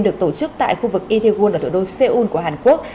được tổ chức tại khu vực idewon ở thủ đô seoul của hàn quốc